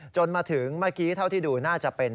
จนมาถึงเมื่อกี้เท่าที่ดูน่าจะเป็น